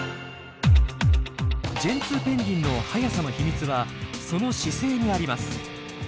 ジェンツーペンギンの速さの秘密はその姿勢にあります。